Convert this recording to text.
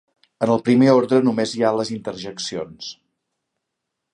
En el primer ordre només hi ha les interjeccions.